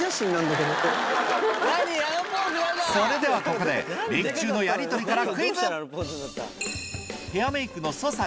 それではここでメイク中のやりとりから。